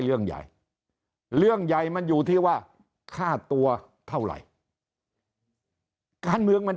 เรื่องใหญ่เรื่องใหญ่มันอยู่ที่ว่าค่าตัวเท่าไหร่การเมืองมัน